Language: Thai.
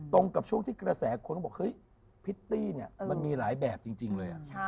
ตรงกับช่วงที่กระแสคนบอกพิตตี้มันมีหลายแบบจริงเลยอะ